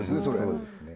そうですね